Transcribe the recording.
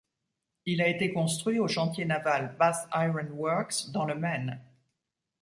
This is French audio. Il a été construit au chantier naval Bath Iron Works dans le Maine.